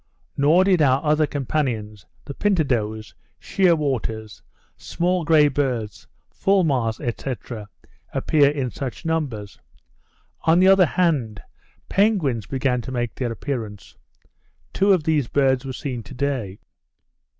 Nor did our other companions, the pintadoes, sheerwaters, small grey birds, fulmars, &c., appear in such numbers; on the other hand, penguins began to make their appearance. Two of these birds were seen to day.